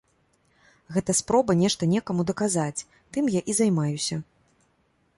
Гэта спроба нешта некаму даказаць, тым я і займаюся.